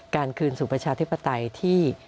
คืนสู่ประชาธิปไตยที่